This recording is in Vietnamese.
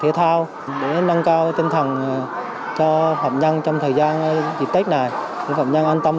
thể thao để nâng cao tinh thần cho phạm nhân trong thời gian dịp tết này để phạm nhân an tâm